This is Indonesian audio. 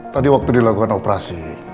tadi waktu dilakukan operasi